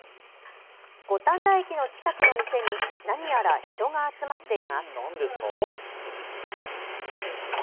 五反田駅の近くの店になにやら人が集まっています。